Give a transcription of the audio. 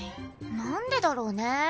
何でだろうねぇ。